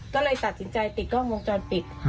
ก็เลยตัดสินใจติดกล้องวงจรปิด